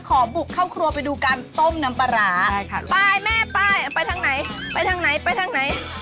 ขอบุกเข้าครัวไปดูการต้มน้ำปลาร้าไปแม่ไปทางไหน